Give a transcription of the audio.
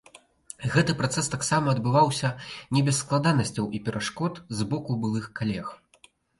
Гэты працэс таксама адбываўся не без складанасцяў і перашкод з боку былых калег.